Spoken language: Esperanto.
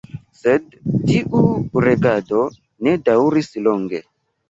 Sed tiu regado ne daŭris longe.